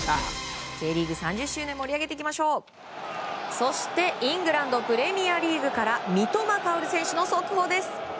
そしてイングランド・プレミアリーグから三笘薫選手の速報です。